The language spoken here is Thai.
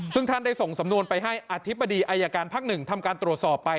ซึ่งท่านได้ส่งสำนวนไปให้อธิบดีอายการภักดิ์๑ทำการตรวจสอบไป